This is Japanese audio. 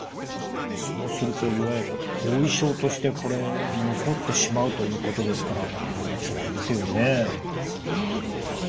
そうするといわゆる後遺症としてこれ残ってしまうということですからこれはつらいですよね。